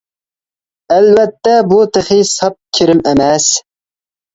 ئەلۋەتتە بۇ تېخى ساپ كىرىم ئەمەس.